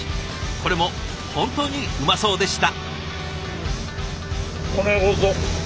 これも本当にうまそうでした。